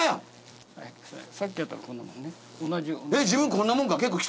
さっきやったのはこんなもんね。